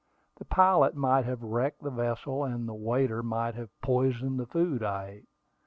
The pilot might have wrecked the vessel, and the waiter might have poisoned the food I ate.